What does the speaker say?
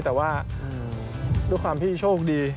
แต่ว่าด้วยความที่โชคดี